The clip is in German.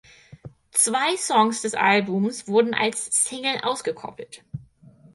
Zwei Songs des Albums wurden als Single ausgekoppelt.